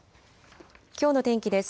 きょうの天気です。